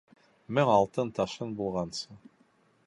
Мең алтын ташын булғансы